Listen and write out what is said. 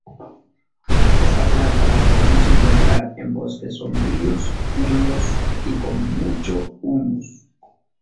Esta planta la podemos encontrar en bosques sombríos, húmedos y con mucho humus.